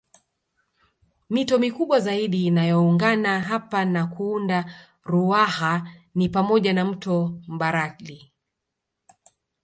Mito mikubwa zaidi inayoungana hapa na kuunda Ruaha ni pamoja na mto Mbarali